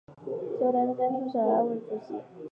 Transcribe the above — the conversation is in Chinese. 其后担任甘肃省苏维埃政府主席。